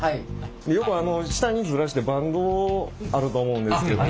よく下にズラしてバンドあると思うんですけど。